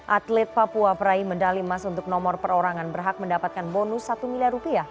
atlet papua peraih medali emas untuk nomor perorangan berhak mendapatkan bonus rp satu miliar